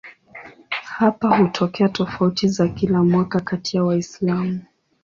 Hapa hutokea tofauti za kila mwaka kati ya Waislamu.